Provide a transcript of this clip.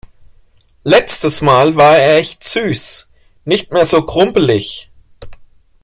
Letztes Mal war er echt süß. Nicht mehr so krumpelig.